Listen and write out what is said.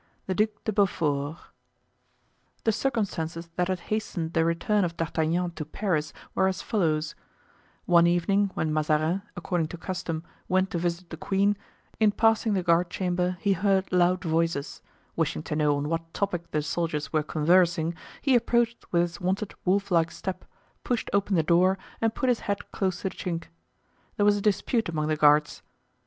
The Duc de Beaufort. The circumstances that had hastened the return of D'Artagnan to Paris were as follows: One evening, when Mazarin, according to custom, went to visit the queen, in passing the guard chamber he heard loud voices; wishing to know on what topic the soldiers were conversing, he approached with his wonted wolf like step, pushed open the door and put his head close to the chink. There was a dispute among the guards.